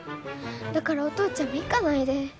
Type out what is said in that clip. だからお父ちゃんも行かないで。